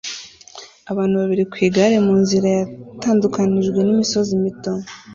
Abantu babiri ku igare munzira yatandukanijwe n'imisozi mito